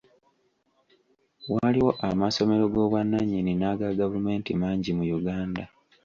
Waliwo amasomero g'obwannanyini n'aga gavumenti mangi mu Uganda.